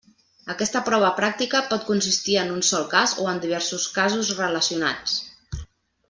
Aquesta prova pràctica pot consistir en un sol cas o en diversos casos relacionats.